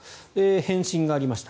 返信がありました。